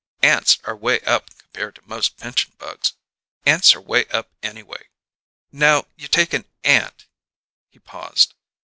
Ants are way up compared to most pinchin' bugs. Ants are way up anyway. Now, you take an ant " He paused.